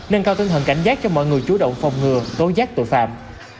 nâng cao tinh thần cảnh giác cho mọi người chú động phòng ngừa tối giác tội phạm